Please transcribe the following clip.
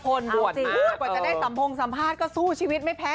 พอนปวดป๋อตกว่าจะได้สัมพงษ์สัมพาทก็สู้ชีวิตไม่